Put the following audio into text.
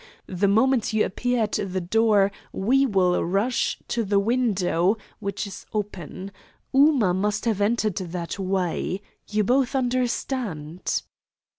The moment you appear at the door we will rush to the window, which is open. Ooma must have entered that way. You both understand?"